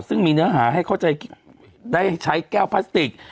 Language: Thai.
ซึ่งมีเนื้อหาให้เข้าใจได้ใช้แก้วพลาสติก